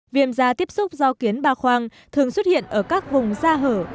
viêm da tiếp xúc do kiến ba khoang thường xuất hiện ở các vùng da hở